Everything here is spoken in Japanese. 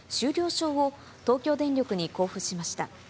証を東京電力に交付しました。